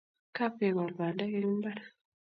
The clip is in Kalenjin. Kapkekol pandek eng' imbar